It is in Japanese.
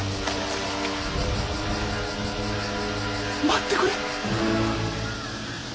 待ってくれ。